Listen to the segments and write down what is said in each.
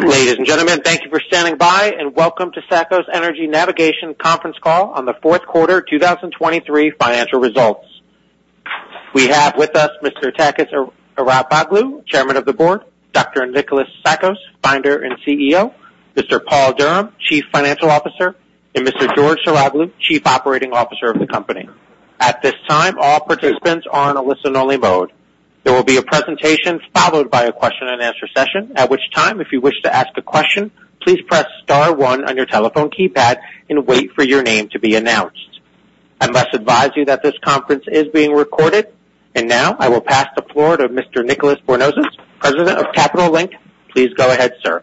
Ladies and gentlemen, thank you for standing by, and welcome to Tsakos Energy Navigation Conference Call on the Fourth Quarter 2023 Financial Results. We have with us Mr. Takis Arapoglou, Chairman of the Board, Dr. Nikolas Tsakos, Founder and CEO, Mr. Paul Durham, Chief Financial Officer, and Mr. George Saroglou, Chief Operating Officer of the company. At this time, all participants are on a listen only mode. There will be a presentation followed by a question and answer session, at which time, if you wish to ask a question, please press star one on your telephone keypad and wait for your name to be announced. I must advise you that this conference is being recorded. And now, I will pass the floor to Mr. Nicolas Bornozis, President of Capital Link. Please go ahead, sir.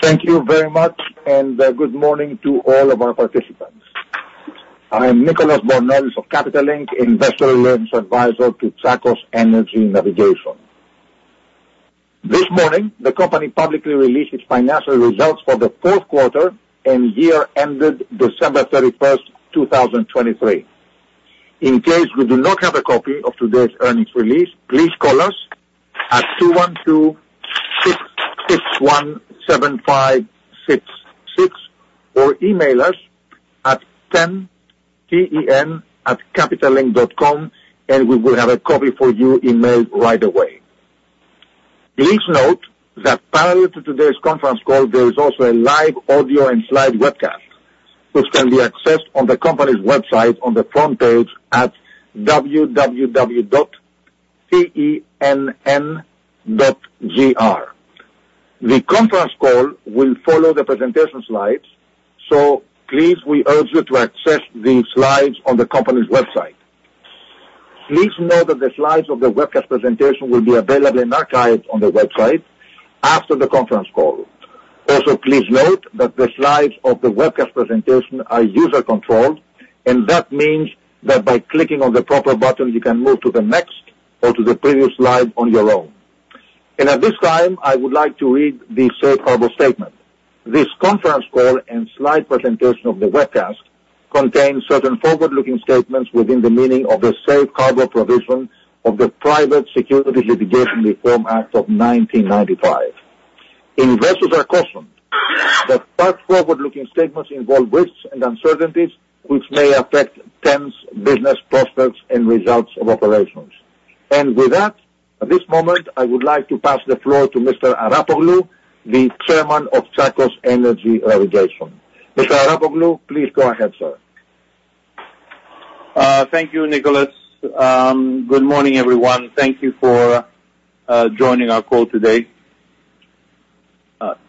Thank you very much, and good morning to all of our participants. I am Nicolas Bornozis of Capital Link, investor relations advisor to Tsakos Energy Navigation. This morning, the company publicly released its financial results for the fourth quarter and year ended December 31st, two thousand and twenty-three. In case you do not have a copy of today's earnings release, please call us at 212-661-7566, or email us at ten@capitallink.com, and we will have a copy for you emailed right away. Please note that prior to today's conference call, there is also a live audio and slide webcast, which can be accessed on the company's website on the front page at www.tenn.gr. The conference call will follow the presentation slides, so please, we urge you to access the slides on the company's website. Please note that the slides of the webcast presentation will be available in archives on the website after the conference call. Also, please note that the slides of the webcast presentation are user controlled, and that means that by clicking on the proper button, you can move to the next or to the previous slide on your own. At this time, I would like to read the Safe Harbor statement. This conference call and slide presentation of the webcast contains certain forward-looking statements within the meaning of the Safe Harbor provision of the Private Securities Litigation Reform Act of 1995. Investors are cautioned that such forward-looking statements involve risks and uncertainties which may affect TEN's business prospects and results of operations. With that, at this moment, I would like to pass the floor to Mr. Arapoglou, the Chairman of Tsakos Energy Navigation. Mr. Arapoglou, please go ahead, sir. Thank you, Nicolas. Good morning, everyone. Thank you for joining our call today.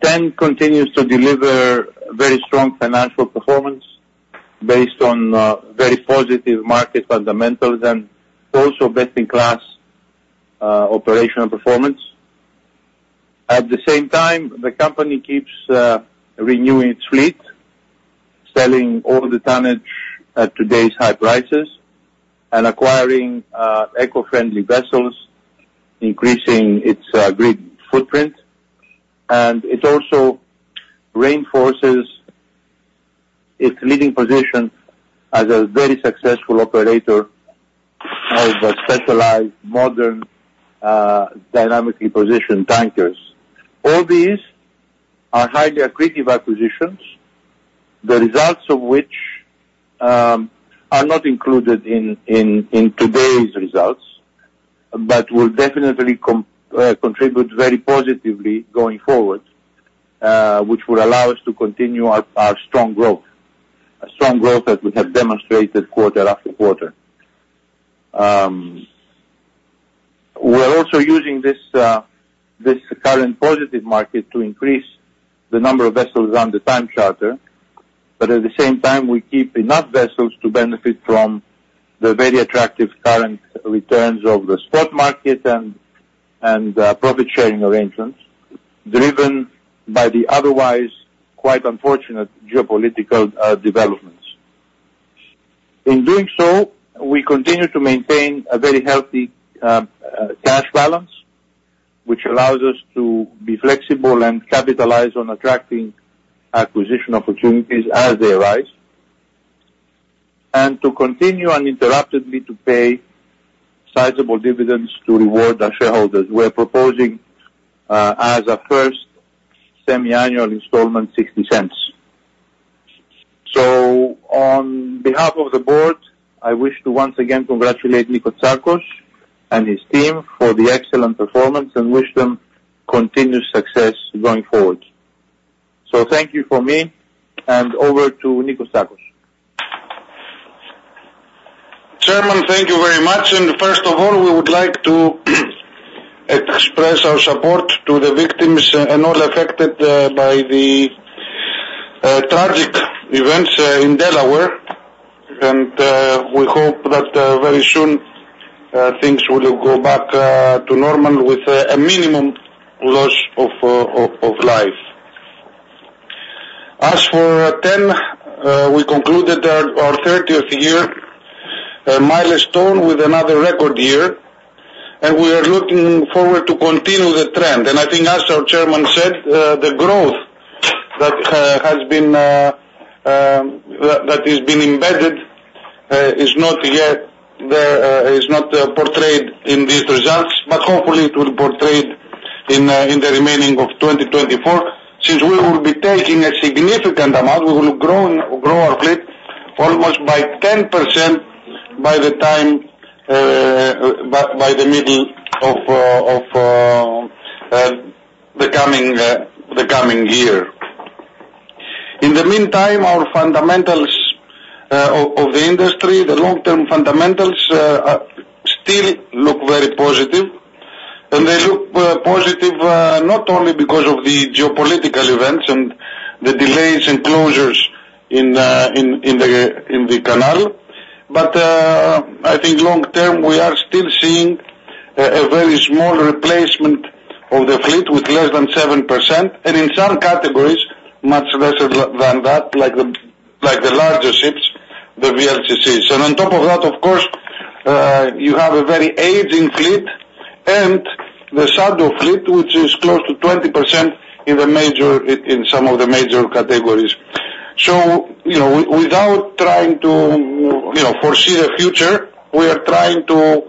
TEN continues to deliver very strong financial performance based on very positive market fundamentals and also best in class operational performance. At the same time, the company keeps renewing its fleet, selling all the tonnage at today's high prices and acquiring eco-friendly vessels, increasing its green footprint. It also reinforces its leading position as a very successful operator of specialized modern dynamically positioned tankers. All these are highly accretive acquisitions, the results of which are not included in today's results, but will definitely contribute very positively going forward, which will allow us to continue our strong growth. A strong growth as we have demonstrated quarter after quarter. We're also using this current positive market to increase the number of vessels under time charter, but at the same time, we keep enough vessels to benefit from the very attractive current returns of the spot market and profit-sharing arrangements, driven by the otherwise quite unfortunate geopolitical developments. In doing so, we continue to maintain a very healthy cash balance, which allows us to be flexible and capitalize on attracting acquisition opportunities as they arise, and to continue uninterruptedly to pay sizable dividends to reward our shareholders. We're proposing as a first semi-annual installment, $0.60. So on behalf of the board, I wish to once again congratulate Nikolas Tsakos and his team for the excellent performance and wish them continued success going forward. So thank you from me, and over to Nikolas Tsakos. Chairman, thank you very much. First of all, we would like to express our support to the victims and all affected by the tragic events in Delaware. We hope that very soon things will go back to normal with a minimum loss of life. As for TEN, we concluded our 30th year milestone with another record year, and we are looking forward to continue the trend. I think as our chairman said, the growth that has been... That that has been embedded is not yet the is not portrayed in these results, but hopefully it will portrayed in the remaining of 2024, since we will be taking a significant amount, we will grow, grow our fleet almost by 10% by the time by the middle of the coming year. In the meantime, our fundamentals of the industry, the long-term fundamentals still look very positive. And they look positive, not only because of the geopolitical events and the delays and closures in the canal, but I think long term, we are still seeing a very small replacement of the fleet with less than 7%, and in some categories, much lesser than that, like the larger ships, the VLCCs. And on top of that, of course, you have a very aging fleet and the shadow fleet, which is close to 20% in some of the major categories. So, you know, without trying to, you know, foresee the future, we are trying to...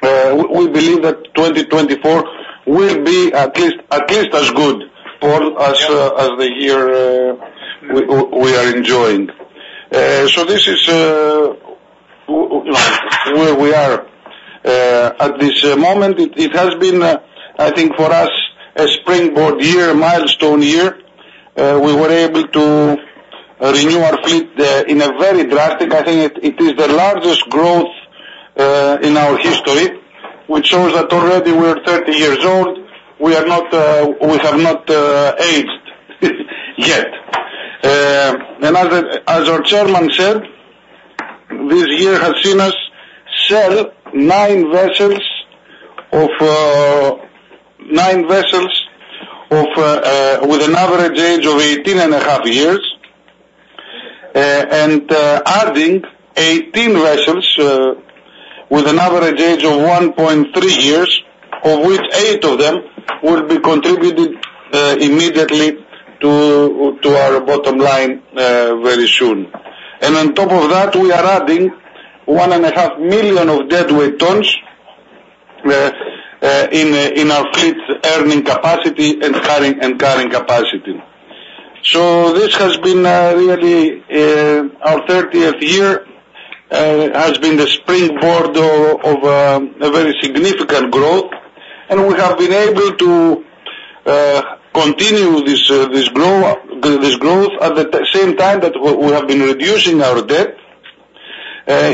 We believe that 2024 will be at least as good as the year we are enjoying. So this is, like where we are, at this moment. It has been, I think for us, a springboard year, a milestone year. We were able to renew our fleet in a very drastic. I think it is the largest growth in our history, which shows that already we are 30 years old. We are not, we have not aged, yet. And as our chairman said, this year has seen us sell nine vessels with an average age of 18.5 years, and adding 18 vessels with an average age of 1.3 years, of which eight of them will be contributed immediately to our bottom line very soon. And on top of that, we are adding 1.5 million deadweight tons in our fleet's earning capacity and carrying capacity. So this has been really our 30th year has been the springboard of a very significant growth, and we have been able to continue this growth at the same time that we have been reducing our debt,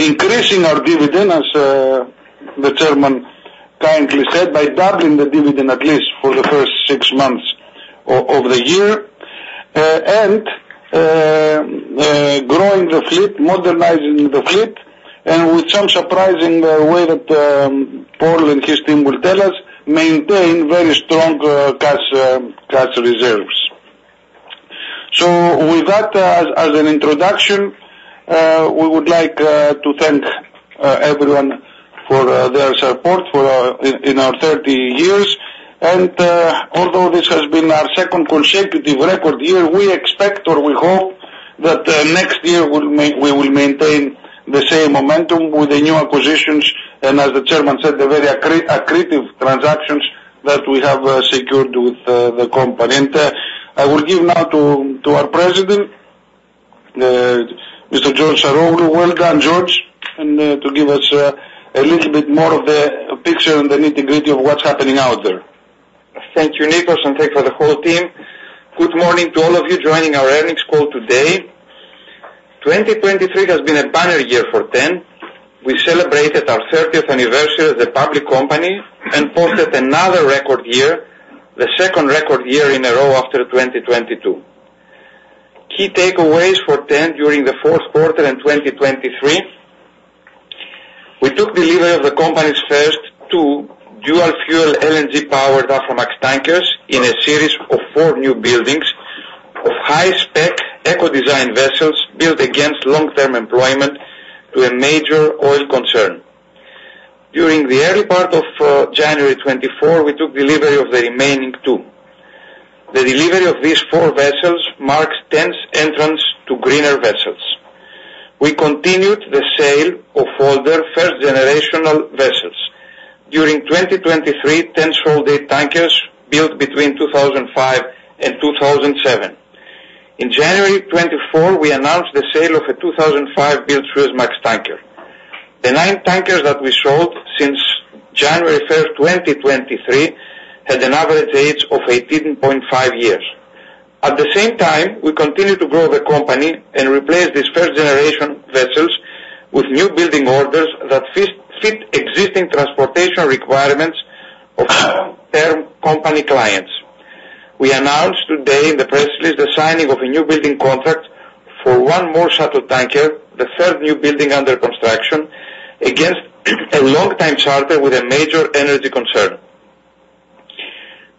increasing our dividend, as the chairman kindly said, by doubling the dividend, at least for the first six months of the year, and growing the fleet, modernizing the fleet, and with some surprising way that Paul and his team will tell us, maintain very strong cash reserves. So with that, as an introduction, we would like to thank everyone for their support for in our 30 years. And although this has been our second consecutive record year, we expect or we hope that next year we will maintain the same momentum with the new acquisitions, and as the chairman said, the very accretive transactions that we have secured with the company. And I will give now to our President, Mr. George Saroglou. Well done, George, and to give us a little bit more of the picture and the nitty-gritty of what's happening out there. Thank you, Nikos, and thanks for the whole team. Good morning to all of you joining our earnings call today. 2023 has been a banner year for TEN. We celebrated our 30th anniversary as a public company and posted another record year, the second record year in a row after 2022. Key takeaways for TEN during the fourth quarter in 2023: we took delivery of the company's first two dual-fuel LNG-powered Aframax tankers in a series of four new buildings of high-spec eco-design vessels built against long-term employment to a major oil concern. During the early part of January 2024, we took delivery of the remaining two. The delivery of these four vessels marks TEN's entrance to greener vessels. We continued the sale of older first-generation vessels. During 2023, TEN sold eight tankers built between 2005 and 2007. In January 2024, we announced the sale of a 2005-built Supramax tanker. The nine tankers that we sold since January 1st, 2023, had an average age of 18.5 years. At the same time, we continued to grow the company and replace these first-generation vessels with newbuilding orders that fit existing transportation requirements of long-term company clients. We announced today in the press release the signing of a newbuilding contract for one more shuttle tanker, the third newbuilding under construction, against a long-time charter with a major energy concern.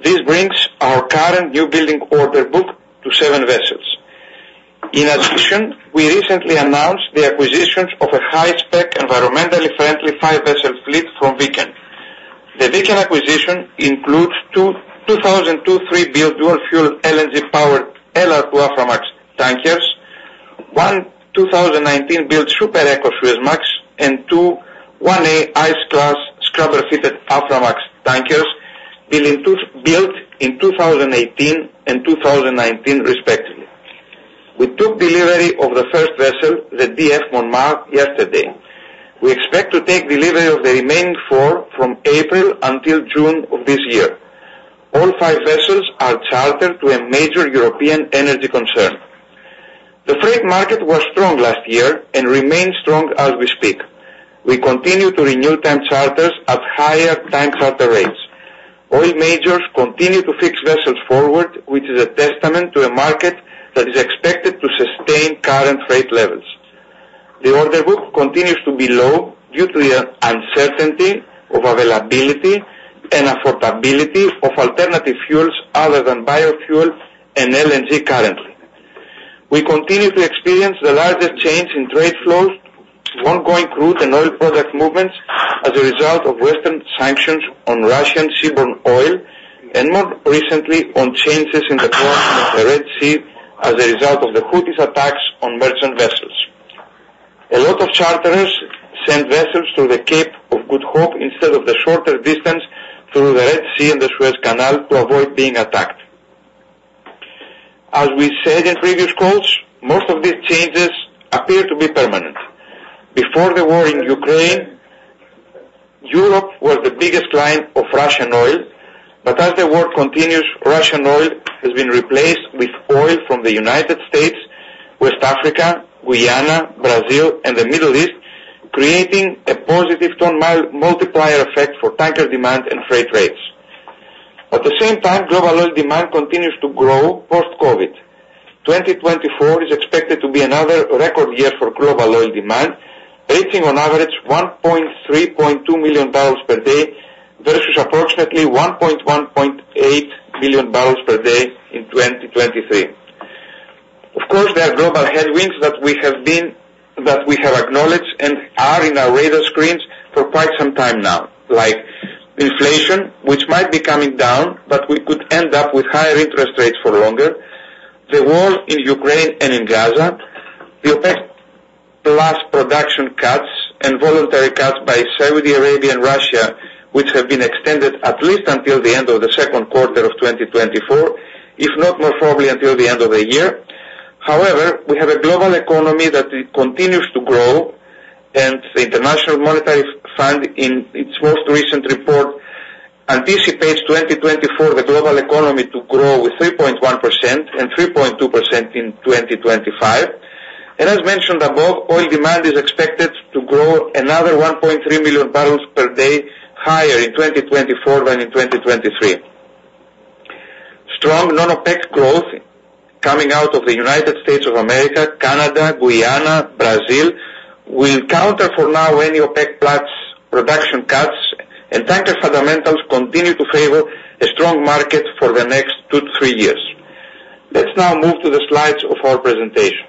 This brings our current newbuilding order book to seven vessels. In addition, we recently announced the acquisition of a high-spec, environmentally friendly five-vessel fleet from Viken.... The Viken acquisition includes two 2003-built Dual-Fuel LNG-powered LR2 Aframax tankers, one 2019-built super eco Suezmax, and two 1A ice-class scrubber-fitted Aframax tankers, built in 2018 and 2019 respectively. We took delivery of the first vessel, the DF Montmartre, yesterday. We expect to take delivery of the remaining four from April until June of this year. All five vessels are chartered to a major European energy concern. The freight market was strong last year and remains strong as we speak. We continue to renew time charters at higher time charter rates. Oil majors continue to fix vessels forward, which is a testament to a market that is expected to sustain current freight levels. The order book continues to be low due to the uncertainty of availability and affordability of alternative fuels other than biofuel and LNG currently. We continue to experience the largest change in trade flows, ongoing route, and oil product movements as a result of Western sanctions on Russian seaborne oil, and more recently, on changes in the form of the Red Sea as a result of the Houthis attacks on merchant vessels. A lot of charterers send vessels to the Cape of Good Hope instead of the shorter distance through the Red Sea and the Suez Canal to avoid being attacked. As we said in previous calls, most of these changes appear to be permanent. Before the war in Ukraine, Europe was the biggest client of Russian oil, but as the war continues, Russian oil has been replaced with oil from the United States, West Africa, Guyana, Brazil, and the Middle East, creating a positive tone multiplier effect for tanker demand and freight rates. At the same time, global oil demand continues to grow post-COVID. 2024 is expected to be another record year for global oil demand, reaching on average 1.32 million bbl per day, versus approximately 1.18 billion bbl per day in 2023. Of course, there are global headwinds that we have been, that we have acknowledged and are in our radar screens for quite some time now, like inflation, which might be coming down, but we could end up with higher interest rates for longer, the war in Ukraine and in Gaza, the OPEC+ production cuts and voluntary cuts by Saudi Arabia and Russia, which have been extended at least until the end of the second quarter of 2024, if not more, probably until the end of the year. However, we have a global economy that continues to grow, and the International Monetary Fund, in its most recent report, anticipates 2024, the global economy to grow 3.1% and 3.2% in 2025. As mentioned above, oil demand is expected to grow another 1.3 million bbl per day higher in 2024 than in 2023. Strong non-OPEC growth coming out of the United States, Canada, Guyana, Brazil, will counter for now any OPEC+ production cuts and tanker fundamentals continue to favor a strong market for the next two, three years. Let's now move to the slides of our presentation.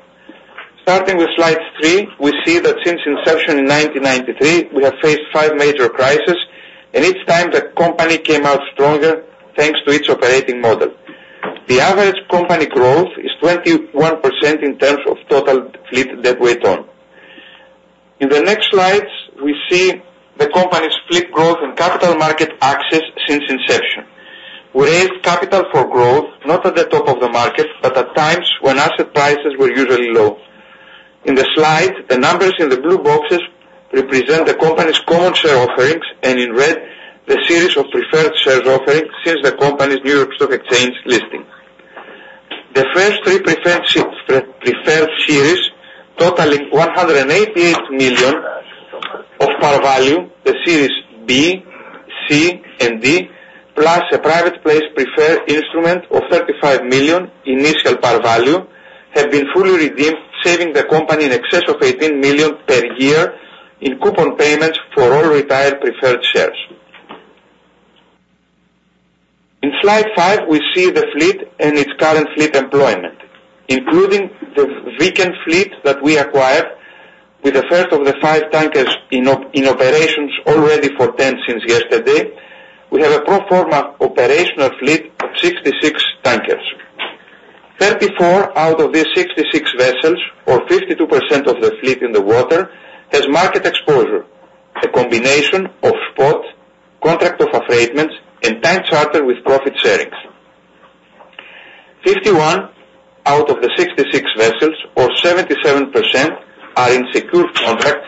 Starting with slide three, we see that since inception in 1993, we have faced five major crises, and each time the company came out stronger, thanks to its operating model. The average company growth is 21% in terms of total fleet deadweight ton. In the next slides, we see the company's fleet growth and capital market access since inception. We raised capital for growth, not at the top of the market, but at times when asset prices were usually low. In the slide, the numbers in the blue boxes represent the company's common share offerings, and in red, the series of preferred shares offerings since the company's New York Stock Exchange listing. The first three preferred series, totaling $188 million of par value, the series B, C, and D, plus a private placement preferred instrument of $35 million initial par value, have been fully redeemed, saving the company in excess of $18 million per year in coupon payments for all retired preferred shares. In slide five, we see the fleet and its current fleet employment, including the Viken fleet that we acquired with the first of the 5 tankers in operations already for TEN since yesterday. We have a pro forma operational fleet of 66 tankers. Thirty-four out of these 66 vessels, or 52% of the fleet in the water, has market exposure, a combination of spot, contract of affreightment, and time charter with profit sharing. Fifty-one out of the 66 vessels or 77% are in secure contract,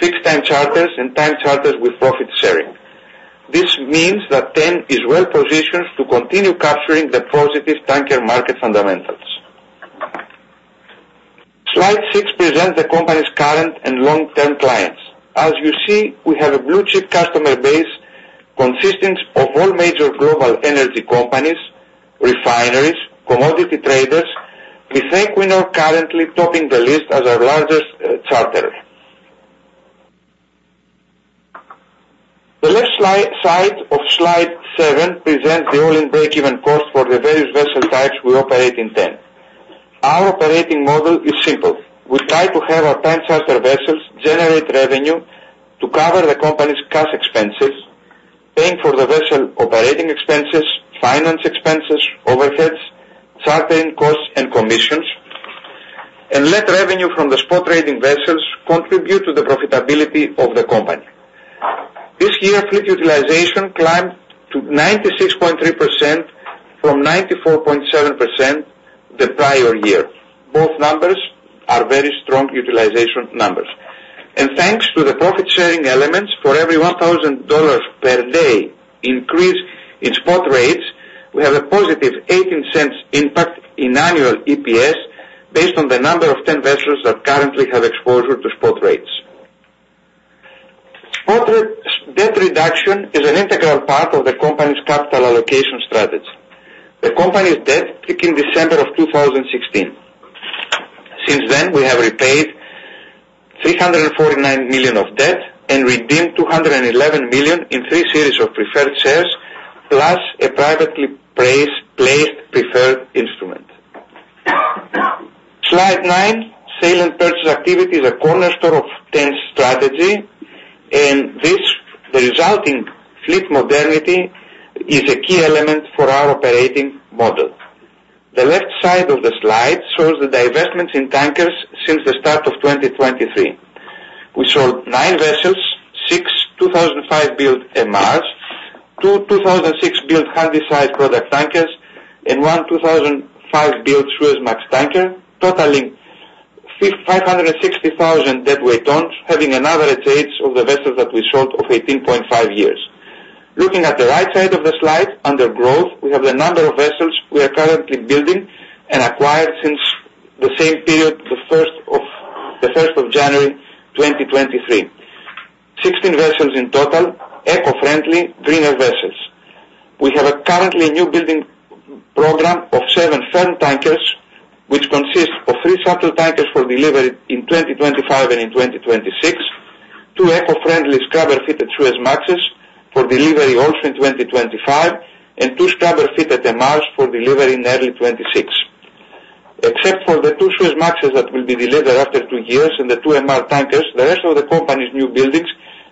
fixed time charters and time charters with profit sharing. This means that TEN is well positioned to continue capturing the positive tanker market fundamentals. Slide six presents the company's current and long-term clients. As you see, we have a blue-chip customer base consisting of all major global energy companies, refineries, commodity traders. We think we are currently topping the list as our largest charterer. The left slide of slide seven presents the all-in break-even cost for the various vessel types we operate in TEN.... Our operating model is simple. We try to have our time charter vessels generate revenue to cover the company's cash expenses, paying for the vessel operating expenses, finance expenses, overheads, chartering costs and commissions, and let revenue from the spot trading vessels contribute to the profitability of the company. This year, fleet utilization climbed to 96.3% from 94.7% the prior year. Both numbers are very strong utilization numbers. Thanks to the profit-sharing elements, for every $1,000 per day increase in spot rates, we have a positive $0.18 impact in annual EPS, based on the number of 10 vessels that currently have exposure to spot rates. Spot rates, debt reduction is an integral part of the company's capital allocation strategy. The company's debt peaked in December of 2016. Since then, we have repaid $349 million of debt and redeemed $211 million in three series of preferred shares, plus a privately placed preferred instrument. Slide nine, sale and purchase activity is a cornerstone of TEN's strategy, and this, the resulting fleet modernity is a key element for our operating model. The left side of the slide shows the divestments in tankers since the start of 2023. We sold six vessels, five 2005-built MRs, two 2006-built handy-sized product tankers, and one 2005-built Suezmax tanker, totaling 560,000 deadweight tons, having an average age of the vessels that we sold of 18.5 years. Looking at the right side of the slide, under growth, we have the number of vessels we are currently building and acquired since the same period, the first of January 2023. 16 vessels in total, eco-friendly, greener vessels. We have a currently newbuilding program of seven firm tankers, which consists of three shuttle tankers for delivery in 2025 and in 2026, two eco-friendly scrubber-fitted Suezmaxes for delivery also in 2025, and two scrubber-fitted MRs for delivery in early 2026. Except for the two Suezmaxes that will be delivered after two years and the two MR tankers, the rest of the company's new buildings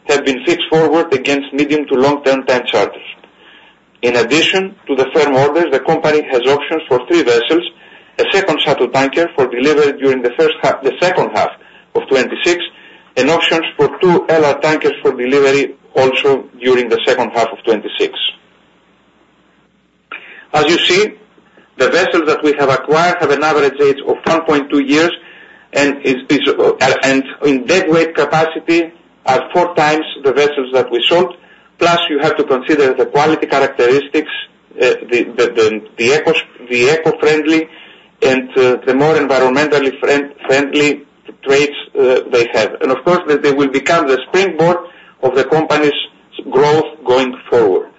have been fixed forward against medium to long-term time charters. In addition to the firm orders, the company has options for three vessels, a second shuttle tanker for delivery during the second half of 2026, and options for two LR tankers for delivery also during the second half of 2026. As you see, the vessels that we have acquired have an average age of 1.2 years and, as visible, in deadweight capacity, are 4x the vessels that we sold, plus you have to consider the quality characteristics, the eco-friendly and the more environmentally friendly traits they have. And of course, they will become the springboard of the company's growth going forward.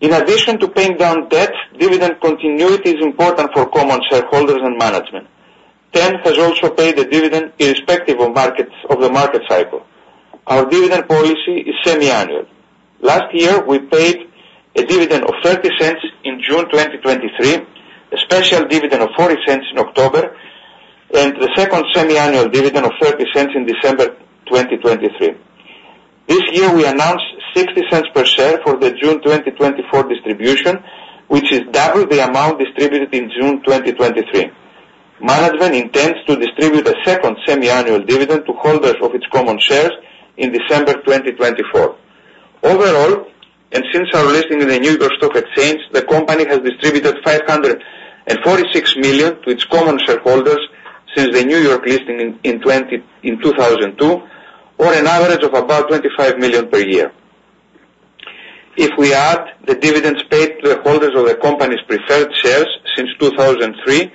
In addition to paying down debt, dividend continuity is important for common shareholders and management. TEN has also paid a dividend irrespective of markets, of the market cycle. Our dividend policy is semi-annual. Last year, we paid a dividend of $0.30 in June 2023, a special dividend of $0.40 in October, and the second semi-annual dividend of $0.30 in December 2023. This year, we announced $0.60 per share for the June 2024 distribution, which is double the amount distributed in June 2023. Management intends to distribute a second semi-annual dividend to holders of its common shares in December 2024. Overall, and since our listing in the New York Stock Exchange, the company has distributed $546 million to its common shareholders since the New York listing in 2002, or an average of about $25 million per year. If we add the dividends paid to the holders of the company's preferred shares since 2003,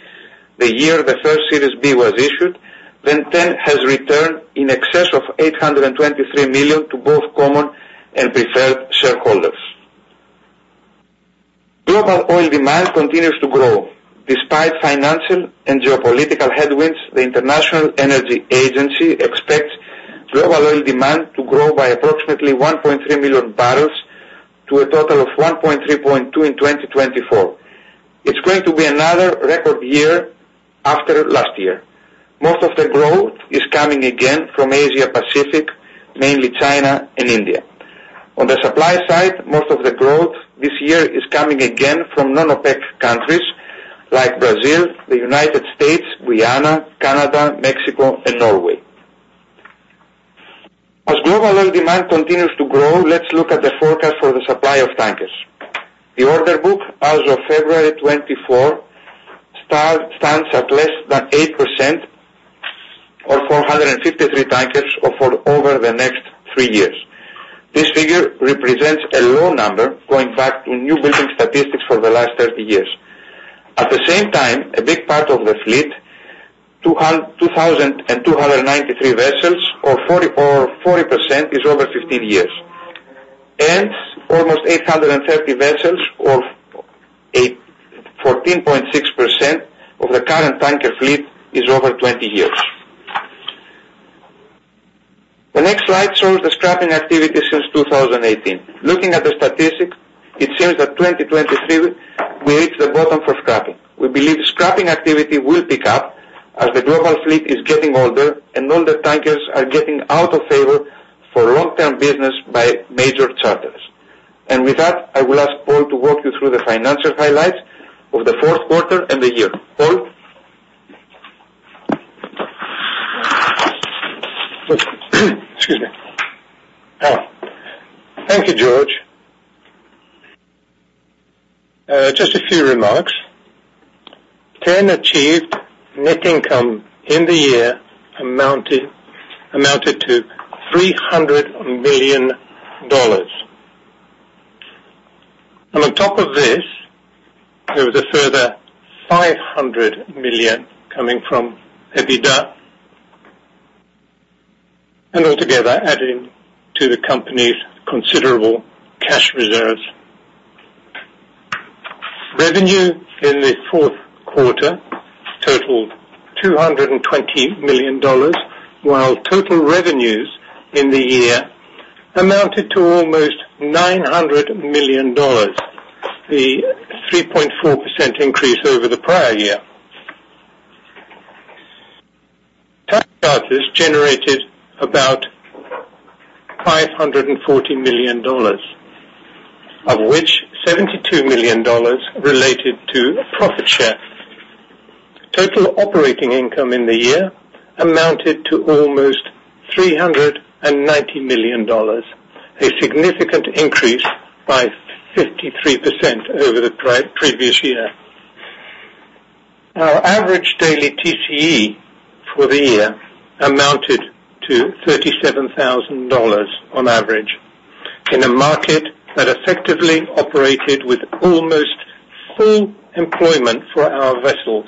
the year the first Series B was issued, then TEN has returned in excess of $823 million to both common and preferred shareholders. Global oil demand continues to grow. Despite financial and geopolitical headwinds, the International Energy Agency expects global oil demand to grow by approximately 1.3 million bbl to a total of 103.2 in 2024. It's going to be another record year after last year. Most of the growth is coming again from Asia Pacific, mainly China and India. On the supply side, most of the growth this year is coming again from non-OPEC countries like Brazil, the United States, Guyana, Canada, Mexico, and Norway. As global oil demand continues to grow, let's look at the forecast for the supply of tankers. The order book, as of February 2024, stands at less than 8% or 453 tankers for over the next three years. This figure represents a low number, going back to newbuilding statistics for the last 30 years. At the same time, a big part of the fleet, 2,293 vessels, or 40%, is over 15 years. And almost 830 vessels, or 14.6% of the current tanker fleet, is over 20 years. ...Next slide shows the scrapping activity since 2018. Looking at the statistics, it seems that 2023, we reach the bottom for scrapping. We believe scrapping activity will pick up as the global fleet is getting older, and older tankers are getting out of favor for long-term business by major charters. And with that, I will ask Paul to walk you through the financial highlights of the fourth quarter and the year. Paul? Excuse me. Thank you, George. Just a few remarks. TEN achieved net income in the year amounted, amounted to $300 million. And on top of this, there was a further $500 million coming from EBITDA, and altogether adding to the company's considerable cash reserves. Revenue in the fourth quarter totaled $220 million, while total revenues in the year amounted to almost $900 million, the 3.4% increase over the prior year. TCEs generated about $540 million, of which $72 million related to profit share. Total operating income in the year amounted to almost $390 million, a significant increase by 53% over the previous year. Our average daily TCE for the year amounted to $37,000 on average, in a market that effectively operated with almost full employment for our vessels.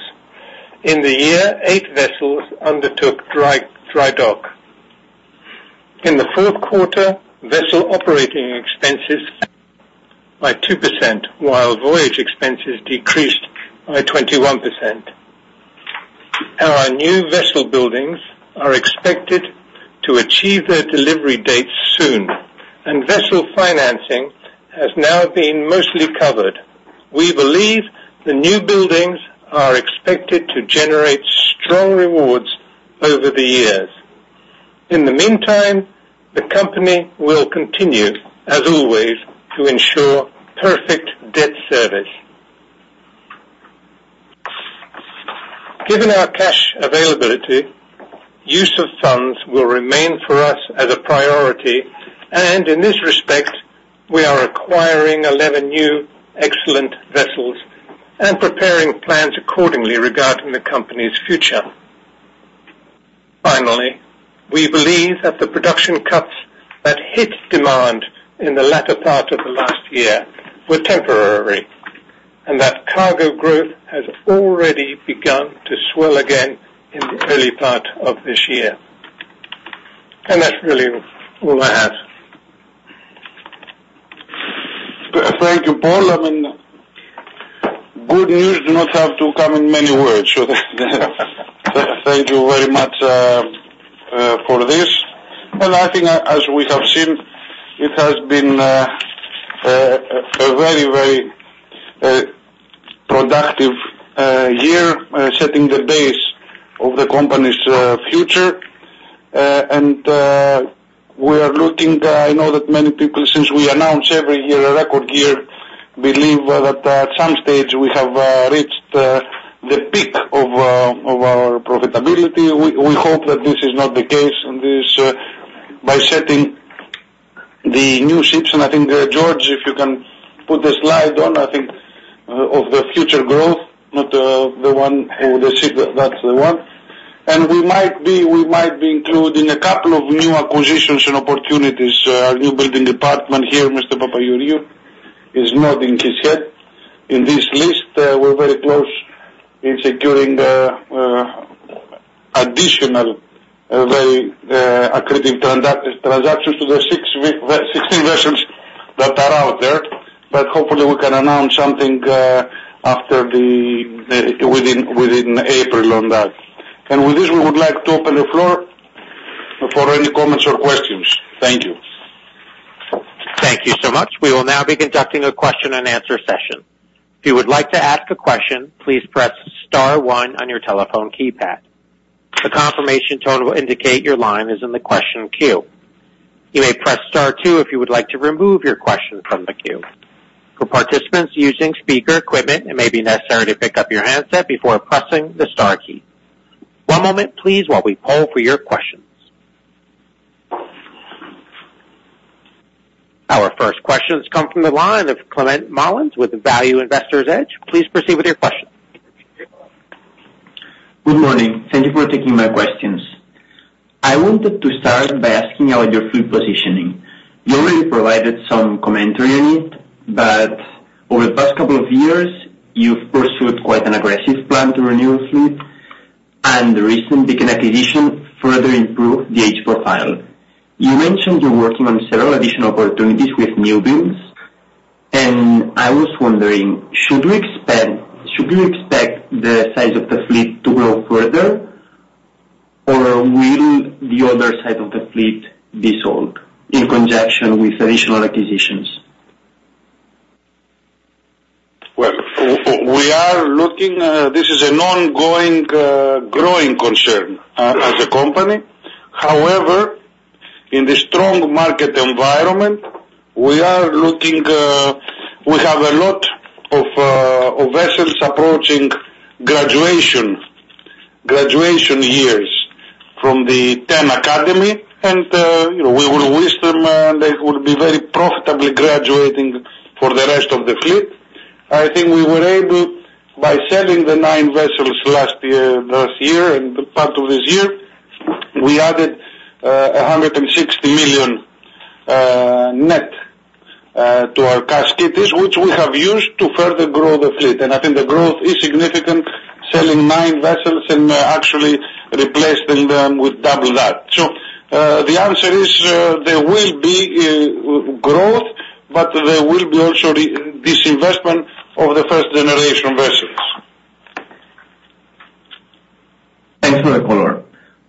In the year, eight vessels undertook dry dock. In the fourth quarter, vessel operating expenses by 2%, while voyage expenses decreased by 21%. Our new vessel buildings are expected to achieve their delivery dates soon, and vessel financing has now been mostly covered. We believe the new buildings are expected to generate strong rewards over the years. In the meantime, the company will continue, as always, to ensure perfect debt service. Given our cash availability, use of funds will remain for us as a priority, and in this respect, we are acquiring 11 new excellent vessels and preparing plans accordingly regarding the company's future. Finally, we believe that the production cuts that hit demand in the latter part of the last year were temporary, and that cargo growth has already begun to swell again in the early part of this year. That's really all I have. Thank you, Paul. I mean, good news do not have to come in many words. So thank you very much for this. Well, I think as we have seen, it has been a very, very productive year setting the base of the company's future. And we are looking. I know that many people, since we announce every year a record year, believe that at some stage we have reached the peak of our profitability. We hope that this is not the case, and this by setting the new ships, and I think, George, if you can put the slide on, I think, of the future growth, not the one with the ship. That's the one. And we might be including a couple of new acquisitions and opportunities. Our newbuilding department here, Mr. Papageorgiou, is nodding his head. In this list, we're very close in securing the additional very accretive transactions to the 16 vessels that are out there. But hopefully we can announce something within April on that. And with this, we would like to open the floor for any comments or questions. Thank you. Thank you so much. We will now be conducting a question and answer session. If you would like to ask a question, please press star one on your telephone keypad. The confirmation tone will indicate your line is in the question queue. You may press star two if you would like to remove your question from the queue. For participants using speaker equipment, it may be necessary to pick up your handset before pressing the star key. One moment, please, while we poll for your questions. Our first questions come from the line of Climent Molins with Value Investor's Edge. Please proceed with your question. Good morning. Thank you for taking my questions. I wanted to start by asking about your fleet positioning. You already provided some commentary on it, but over the past couple of years, you've pursued quite an aggressive plan to renew your fleet, and the recent Viken acquisition further improved the age profile. You mentioned you're working on several additional opportunities with new builds.... And I was wondering, should we expect, should we expect the size of the fleet to grow further, or will the other side of the fleet be sold in conjunction with additional acquisitions? Well, we are looking, this is an ongoing, growing concern, as a company. However, in the strong market environment, we are looking, we have a lot of, of vessels approaching graduation, graduation years from the TEN Academy, and, you know, we will wish them, they will be very profitably graduating for the rest of the fleet. I think we were able, by selling the 9 vessels last year, last year, and part of this year, we added, $160 million, net, to our cash, which we have used to further grow the fleet. And I think the growth is significant, selling nine vessels and actually replacing them with double that. So, the answer is, there will be, growth, but there will be also re-disinvestment of the first generation vessels. Thanks for the call.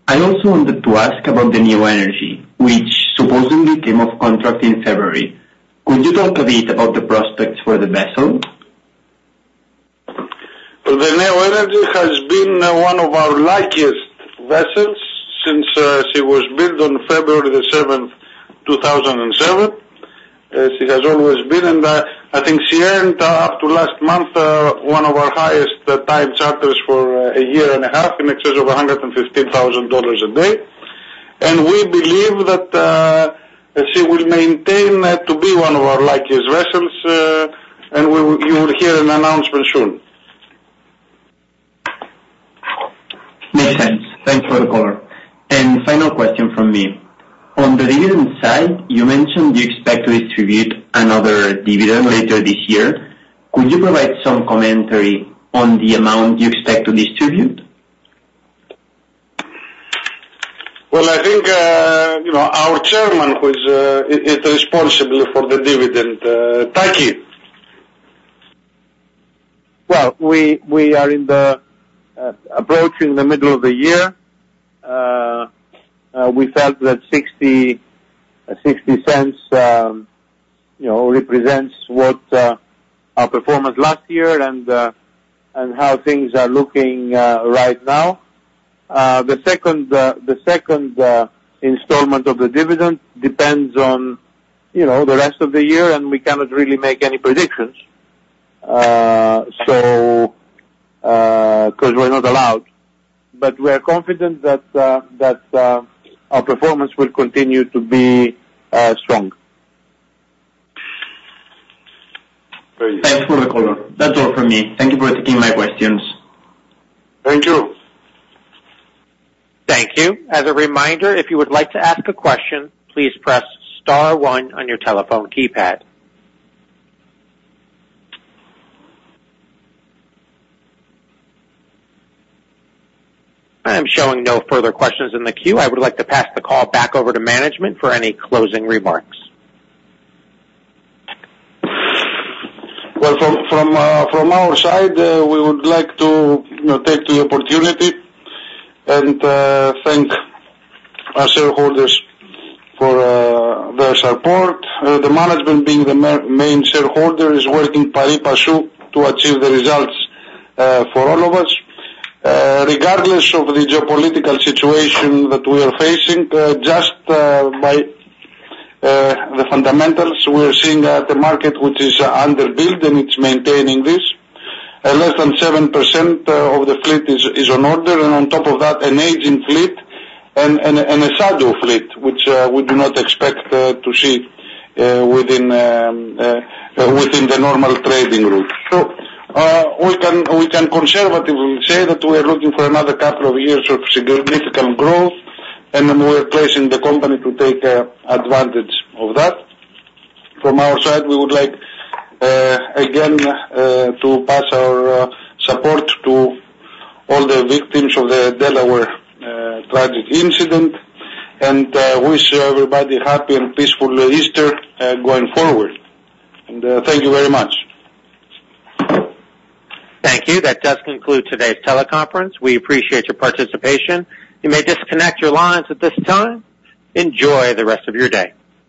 I also wanted to ask about the Neo Energy, which supposedly came off contract in February. Could you talk a bit about the prospects for the vessel? The Neo Energy has been one of our luckiest vessels since she was built on February 7, 2007. She has always been, and I think she earned up to last month one of our highest time charters for a year and a half, in excess of $115,000 a day. And we believe that she will maintain to be one of our luckiest vessels, and we will-- you will hear an announcement soon. Makes sense. Thanks for the call. Final question from me. On the dividend side, you mentioned you expect to distribute another dividend later this year. Could you provide some commentary on the amount you expect to distribute? Well, I think, you know, our Chairman, who is responsible for the dividend, Takis? Well, we are approaching the middle of the year. We felt that 60 cents, you know, represents what our performance last year and how things are looking right now. The second installment of the dividend depends on, you know, the rest of the year, and we cannot really make any predictions, so 'cause we're not allowed. But we are confident that our performance will continue to be strong. Very good. Thanks for the call. That's all from me. Thank you for taking my questions. Thank you. Thank you. As a reminder, if you would like to ask a question, please press star one on your telephone keypad. I am showing no further questions in the queue. I would like to pass the call back over to management for any closing remarks. Well, from our side, we would like to, you know, take the opportunity and thank our shareholders for their support. The management, being the main shareholder, is working pari passu to achieve the results for all of us. Regardless of the geopolitical situation that we are facing, just by the fundamentals, we are seeing that the market, which is underbuilt, and it's maintaining this less than 7% of the fleet is on order, and on top of that, an aging fleet and a shadow fleet, which we do not expect to see within the normal trading route. So, we can conservatively say that we are looking for another couple of years of significant growth, and we are placing the company to take advantage of that. From our side, we would like, again, to pass our support to all the victims of the Delaware tragic incident, and wish everybody happy and peaceful Easter going forward. And, thank you very much. Thank you. That does conclude today's teleconference. We appreciate your participation. You may disconnect your lines at this time. Enjoy the rest of your day.